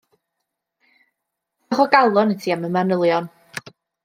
Diolch o galon i ti am y manylion.